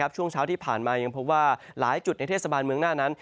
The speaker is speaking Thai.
ช่วงเช้าที่ผ่านมายังพบว่าหลายจุดในเทศบาลเมืองหน้านั้น